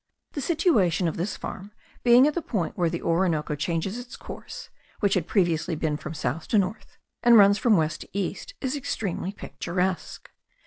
The situation of this farm, being at the point where the Orinoco changes its course (which had previously been from south to north), and runs from west to east, is extremely picturesque.